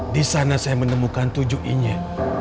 di sana saya menemukan tujuh inyek